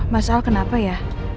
mas al kenapa ya